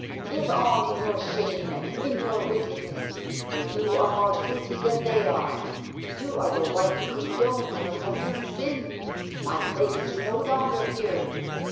" Live on in your shame and in your wickedness, for yon are more guilty than they are. You are the wife who condones her husband's sin ! My place is no longer here."